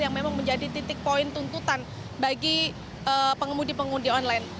yang memang menjadi titik poin tuntutan bagi pengemudi pengemudi online